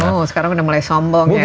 oh sekarang udah mulai sombong ya